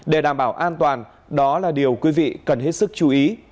để đảm bảo an toàn đó là điều quý vị cần hết sức chú ý